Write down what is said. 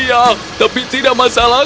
ya tapi tidak masalah